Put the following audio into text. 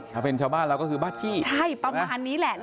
ถ้าเป็นชาวบ้านเราก็คือบ้านที่ใช่ประมาณนี้แหละ